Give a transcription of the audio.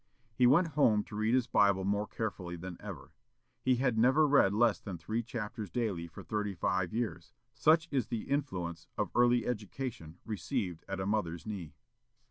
He went home to read his Bible more carefully than ever he had never read less than three chapters daily for thirty five years, such is the influence of early education received at a mother's knee.